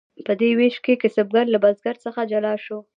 په دې ویش کې کسبګر له بزګر څخه جلا شو.